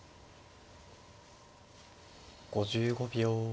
５５秒。